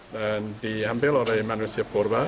dan diambil oleh manusia purba